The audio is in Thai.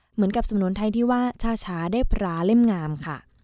เหมือนกับสำนวนไทยที่ว่าชาวได้พระเล่มงามค่ะ